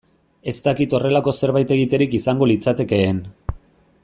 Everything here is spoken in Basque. Ez dakit horrelako zerbait egiterik izango litzatekeen.